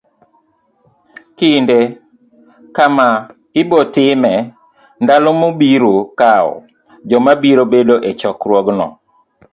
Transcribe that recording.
Kinde, kama ibo timee, ndalo mobiro kawo, joma biro bedo e chokruogno.